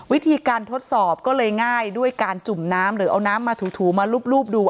วิธีการทดสอบก็เลยง่ายด้วยการจุ่มน้ำหรือเอาน้ำมาถูมารูปดู